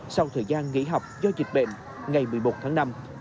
sau thời gian nghỉ học do dịch bệnh ngày một mươi một tháng năm